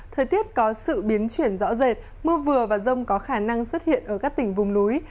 thời tiết có sự biến chuyển rõ rệt mưa vừa và rông có khả năng xuất hiện ở các tỉnh vùng núi